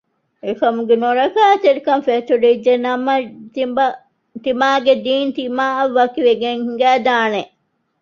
އެކަމުގެ ނުރައްކާތެރިކަން ފެތުރިއްޖެނަމަ ތިމާގެ ދީން ތިމާއާ ވަކިވެގެން ހިނގައިދާނެ